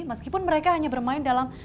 meskipun mereka hanya bermain dalam